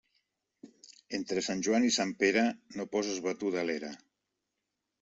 Entre Sant Joan i Sant Pere, no poses batuda a l'era.